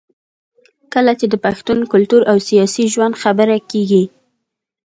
کله چې د پښتون کلتور او سياسي ژوند خبره کېږي